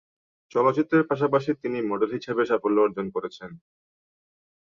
চলচ্চিত্রের পাশাপাশি তিনি মডেল হিসাবে সাফল্য অর্জন করেছেন।